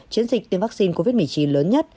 chiến dịch tiêm vaccine covid một mươi chín lớn nhất